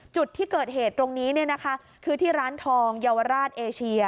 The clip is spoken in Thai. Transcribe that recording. จุดที่เกิดเหตุตรงนี้คือที่ร้านทองเยาวราชเอเชีย